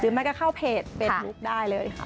หรือไม่ก็เข้าเพจเฟซบุ๊กได้เลยค่ะ